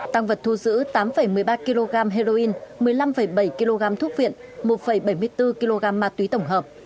tăng vật thu giữ tám một mươi ba kg heroin một mươi năm bảy kg thuốc viện một bảy mươi bốn kg ma túy tổng hợp